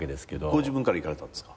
ご自分から行かれたんですか？